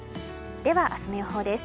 では、明日の予報です。